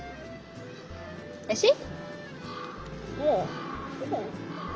おいしい？